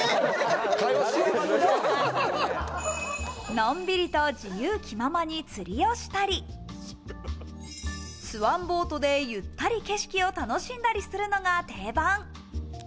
のんびりと自由気ままに釣りをしたり、スワンボートでゆったり景色を楽しんだりするのが定番。